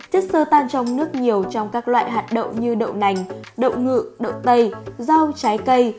chất sơ tan trong nước nhiều trong các loại hạt đậu như đậu nành đậu ngự đậu tây rau trái cây